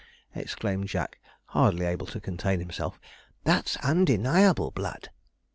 exclaimed Jack hardly able to contain himself; 'that's undeniable blood.'